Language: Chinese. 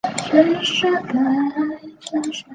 阿尔迪耶格。